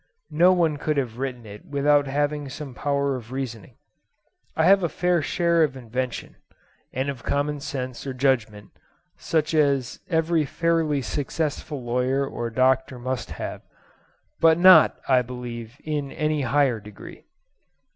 No one could have written it without having some power of reasoning. I have a fair share of invention, and of common sense or judgment, such as every fairly successful lawyer or doctor must have, but not, I believe, in any higher degree.